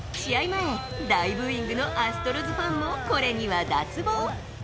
前、大ブーイングのアストロズファンもこれには脱帽。